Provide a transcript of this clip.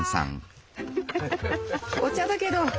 お茶だけど。